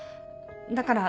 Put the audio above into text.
だから。